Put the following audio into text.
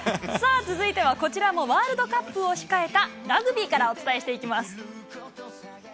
続いてはこちらもワールドカップを控えたラグビーからお伝えします。